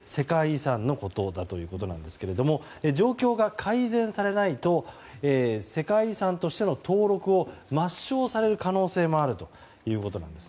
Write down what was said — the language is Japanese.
普遍的価値を損なうような重大な危機にさらされている世界遺産のことだということですが状況が改善されないと世界遺産としての登録を抹消される可能性もあるということです。